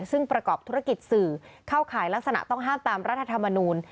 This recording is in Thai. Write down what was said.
ซึ่งประกอบธุรกิจสื่อเข้าข่ายลักษณะต้องห้ามตามรัฐธรรมนูล